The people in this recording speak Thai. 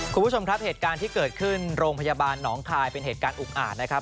คุณผู้ชมครับเหตุการณ์ที่เกิดขึ้นโรงพยาบาลหนองคายเป็นเหตุการณ์อุกอาจนะครับ